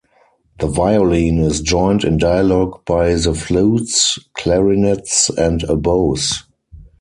The violin is joined in dialogue by the flutes, clarinets and oboes.